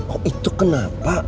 oh itu kenapa